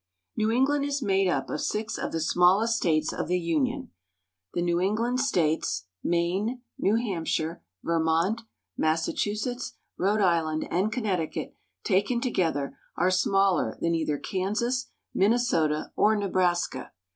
NEW ENGLAND is made up of six of the smallest states of the Union. The New England states, Maine, New Hampshire, Vermont, Massachusetts, Rhode Island, and Connecticut, taken together, are smaller than either Kansas, Minnesota, or Nebraska.